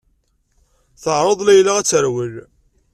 Teɛreḍ Layla ad terwel.